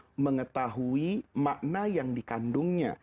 dan anda bisa mengetahui makna yang dikandungnya